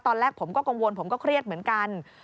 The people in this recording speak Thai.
ตอนแรกผมก็กังวลผมก็เครียดเหมือนกัน